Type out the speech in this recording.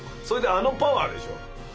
それであのパワーでしょ？